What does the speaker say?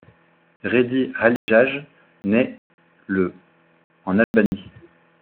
Redi Halijaj naît le en Albanie.